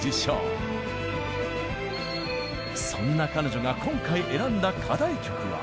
そんな彼女が今回選んだ課題曲は。